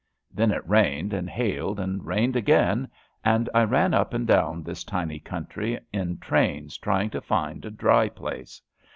Then it rained and hailed, and rained again, and I ran up and down this tiny country in trains trying to find a dry place.